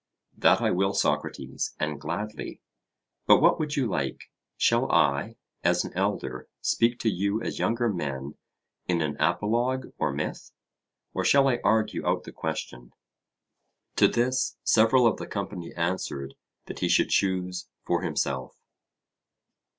That I will, Socrates, and gladly. But what would you like? Shall I, as an elder, speak to you as younger men in an apologue or myth, or shall I argue out the question? To this several of the company answered that he should choose for himself.